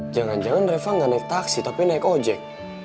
jangan jangan reva nggak naik taksi tapi naik ojek